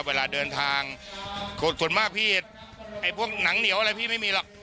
เวลาเดินทางส่วนมากพี่ไอ้พวกหนังเหนียวอะไรพี่ไม่มีหรอก